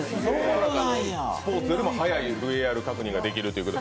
スポーツより早い確認ができるということで。